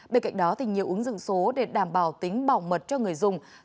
bên cạnh đó nhiều ứng dụng số để đảm bảo tính bảo mật cho người dùng